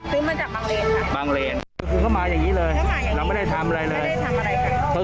ซื้อมาจากบางเลนมาอย่างนี้เลยเราไม่ได้ทำอะไรเลยไม่ได้ทำ